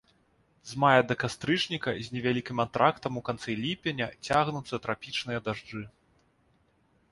З мая да кастрычніка, з невялікім антрактам у канцы ліпеня, цягнуцца трапічныя дажджы.